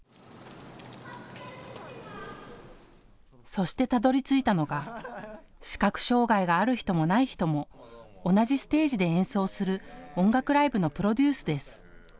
そしてたどりついたのが視覚障害がある人もない人も同じステージで演奏する音楽ライブのプロデュースです。